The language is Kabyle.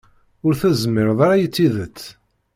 Ur tezmireḍ ara i tidet.